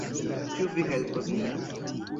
Ĉu vi helpos nin?